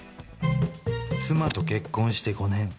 妻と結婚して５年。